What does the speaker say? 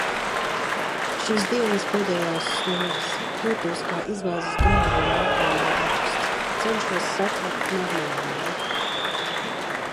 Šīs dienas pēdējās stundas. Jūtos kā izbāzis galvu laukā no dūksts. Cenšos satvert normālību.